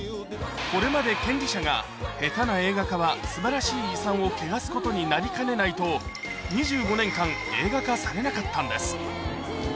これまで権利者が下手な映画化はすばらしい遺産をけがすことになりかねないと、２５年間、映画化されなかったんです。